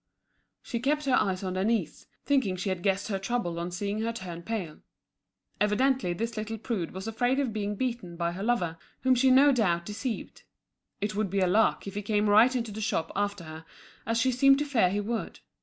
She kept her eyes on Denise, thinking she had guessed her trouble on seeing her turn pale. Evidently this little prude was afraid of being beaten by her lover, whom she no doubt deceived. It would be a lark if he came right into the shop after her, as she seemed to fear he would.